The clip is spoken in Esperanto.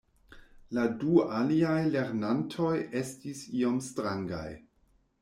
la du aliaj lernantoj estis iom strangaj